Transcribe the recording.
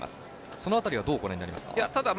その辺りはどうご覧になりますか。